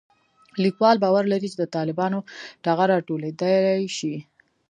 لیکوال باور لري چې د طالبانو ټغر راټولېدای شي